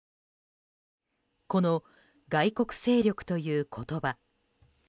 この外国勢力という言葉。